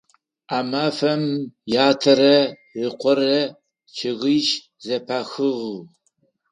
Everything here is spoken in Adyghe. А мафэм ятэрэ ыкъорэ чъыгищ зэпахыгъ.